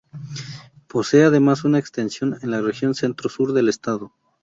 Posee además una extensión en la región centro-sur del estado.